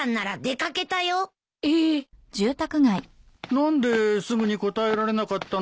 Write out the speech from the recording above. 何ですぐに答えられなかったのかな？